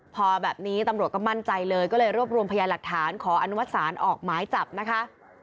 พอแบบนี้ตำรวจก็มั่นใจเลยก็เลยรวบรวมพยานหลักฐานขออนุมัติศาลออกหมายจับนะคะ